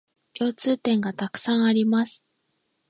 共通点がたくさんあります